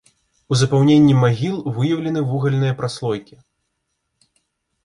У запаўненні магіл выяўлены вугальныя праслойкі.